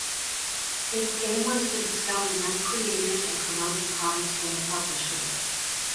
Its aim was to discover young creators and promote the products from the publisher.